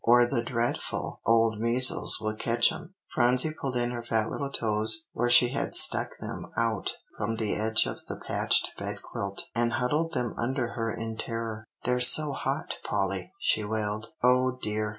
or the dreadful old measles will catch 'em." Phronsie pulled in her fat little toes where she had stuck them out from the edge of the patched bed quilt, and huddled them under her in terror. "They're so hot, Polly," she wailed. "Oh, dear!